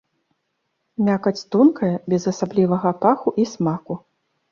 Мякаць тонкая, без асаблівага паху і смаку.